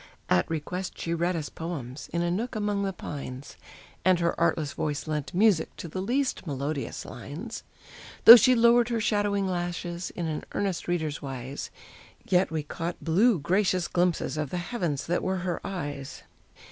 At request she read us poems, in a nook among the pines, And her artless voice lent music to the least melodious lines; Though she lowered her shadowing lashes, in an earnest reader's wise, Yet we caught blue gracious glimpses of the heavens that were her eyes.